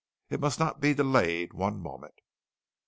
"It must not be delayed one moment!"